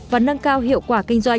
và nâng cao hiệu quả kinh doanh